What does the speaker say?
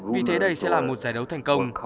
vì thế đây sẽ là một giải đấu thành công